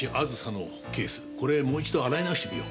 これもう一度洗い直してみよう。